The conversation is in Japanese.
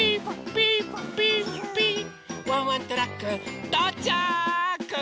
ワンワントラックとうちゃく！